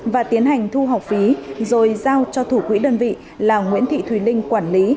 và tiến hành thu học phí rồi giao cho thủ quỹ đơn vị là nguyễn thị thùy linh quản lý